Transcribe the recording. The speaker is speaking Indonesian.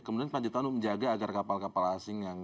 kemudian kelanjutan menjaga agar kapal kapal asing yang